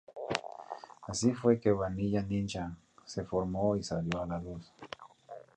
Así fue que Vanilla Ninja se formó y salió a la luz.